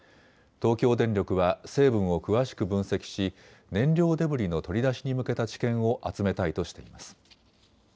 東京電力は成分を詳しく分析し燃料デブリの取り出しに向けた知見を集めたいとしています。